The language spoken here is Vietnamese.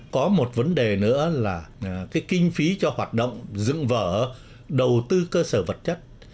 có một vấn đề nữa là cái kinh phí cho hoạt động dựng vở đầu tư cơ sở vật chất